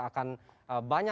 bagaimana menurut anda